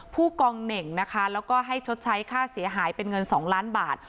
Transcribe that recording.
ผู้กองเหน่งนะคะแล้วก็ให้ชดใช้ค่าเสียหายเป็นเงิน๒ล้านบาท